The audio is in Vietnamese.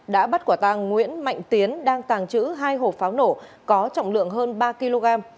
đã bắt quả tàng nguyễn mạnh tiến đang tàng trữ hai hộp pháo nổ có trọng lượng hơn ba kg